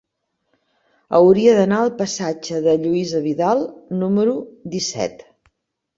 Hauria d'anar al passatge de Lluïsa Vidal número disset.